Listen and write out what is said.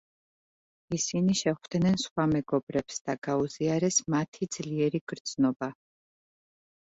ისინი შეხვდენენ სხვა მეგობრებს და გაუზიარეს მათი ძლიერი გრძნობა.